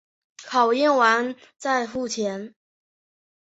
验货完再付钱